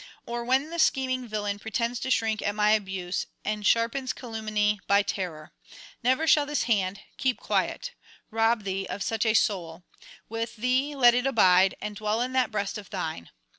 Or when the scheming villain [407 443]pretends to shrink at my abuse, and sharpens calumny by terror! never shall this hand keep quiet! rob thee of such a soul; with thee let it abide, and dwell in that breast of thine.